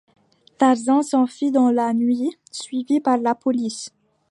Tarzan s'enfuit dans la nuit, suivi par la police.